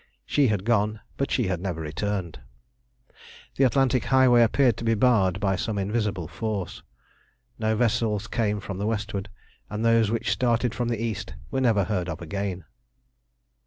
She had gone, but she had never returned. The Atlantic highway appeared to be barred by some invisible force. No vessels came from the westward, and those which started from the east were never heard of again.